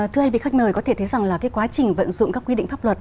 thưa hai vị khách mời có thể thấy rằng là cái quá trình vận dụng các quy định pháp luật